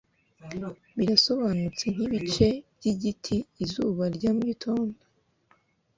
Birasobanutse nkibice byigiti izuba rya mugitondo